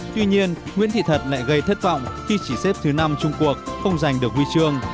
tuy nhiên nguyễn thị thật lại gây thất vọng khi chỉ xếp thứ năm trung quốc không giành được huy chương